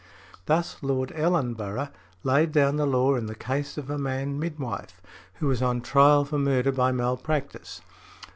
Thus Lord Ellenborough laid down the law in the case of a man midwife who was on his trial for murder by malpractice .